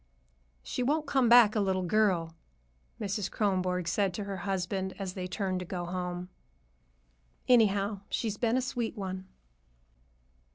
"She won't come back a little girl," Mrs. Kronborg said to her husband as they turned to go home. "Anyhow, she's been a sweet one."